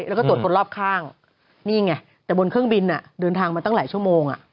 แล้วก็ตรวจคนรอบข้างนี่ไงแต่บนเครื่องบินเดินทางมาตั้งหลายชั่วโมง